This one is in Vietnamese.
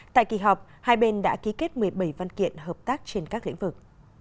tại kỳ họp hai bên đã ký kết một mươi bảy văn kiện hợp tác trên các lĩnh vực